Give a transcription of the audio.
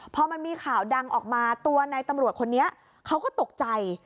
พอมันมีข่าวดังออกมาตัวในตำรวจคนนี้เขาก็ตกใจ